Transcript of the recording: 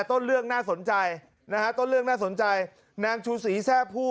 ต้นเรื่องน่าสนใจนะฮะต้นเรื่องน่าสนใจนางชูศรีแทร่ผู้